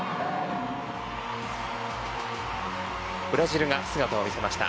ブラジルが姿を見せました。